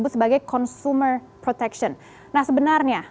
bum bum bum bum